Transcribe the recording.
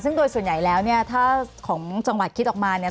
ซึ่งโดยส่วนใหญ่แล้วเนี่ยถ้าของจังหวัดคิดออกมาเนี่ย